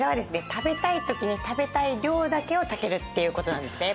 食べたい時に食べたい量だけを炊けるっていう事なんですね。